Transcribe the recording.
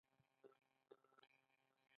منفي تبلیغات پانګه اچوونکي ویروي.